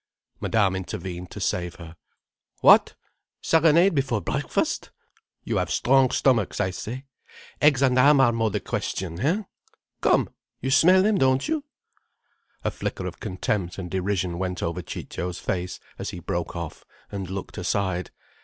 Madame intervened to save her. "What, serenade before breakfast! You have strong stomachs, I say. Eggs and ham are more the question, hein? Come, you smell them, don't you?" A flicker of contempt and derision went over Ciccio's face as he broke off and looked aside.